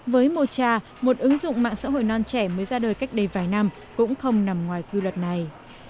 với mocha một ứng dụng mạng xã hội non trẻ mới ra đời cách đây vài năm cũng không nằm ngoài quy luật này